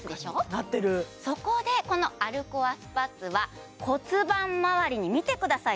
なってるそこでこの歩コアスパッツは骨盤まわりに見てください